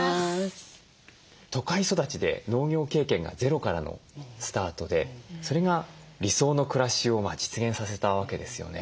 都会育ちで農業経験がゼロからのスタートでそれが理想の暮らしを実現させたわけですよね。